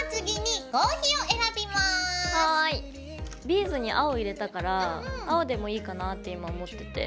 ビーズに青入れたから青でもいいかなって今思ってて。